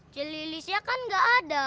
celilisnya kan gak ada